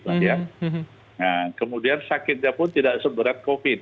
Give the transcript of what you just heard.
nah kemudian sakitnya pun tidak seberat covid